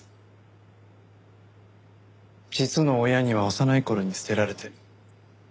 実の親には幼い頃に捨てられて。